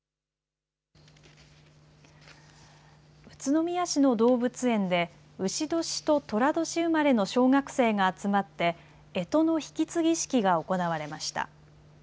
宇都宮市の動物園でうし年ととら年生まれの小学生が集まってえとの引き継ぎ式が行われました。